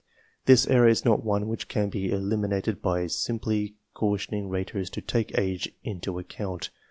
This error is not one which can be eliminated by simply cau tioning raters to take age into account.